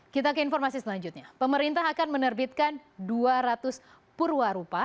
kita ke informasi selanjutnya pemerintah akan menerbitkan dua ratus purwarupa